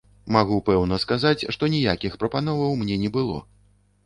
Магу пэўна сказаць, што ніякіх прапановаў мне не было.